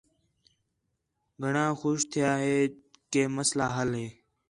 گھݨاں خوش تِھیا ہے کہ مسئلہ حل ہے